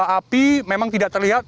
api memang tidak terlihat